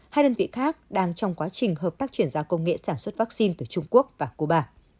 hai đơn vị khác đang trong quá trình hợp tác chuyển giao công nghệ sản xuất vaccine từ trung quốc và cuba